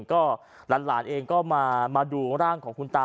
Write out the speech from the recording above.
ก็หลานเองก็มาดูร่างของคุณตา